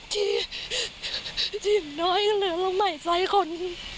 ที่อิ่มน้อยเหลือลมหายใสคน